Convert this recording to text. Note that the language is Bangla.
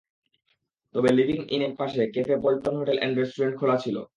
তবে লিভিং ইনের পাশের cafe Paltan hotel and restaurant খোলা ছিল।